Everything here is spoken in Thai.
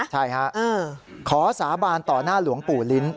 ใช่ฮะขอสาบานต่อหน้าหลวงปู่ลิ้น